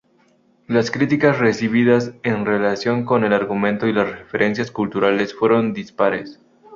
Las críticas recibidas en relación con el argumento y las referencias culturales, fueron dispares.